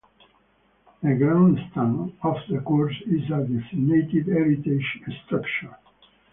The Grandstand, off the course, is a designated heritage structure.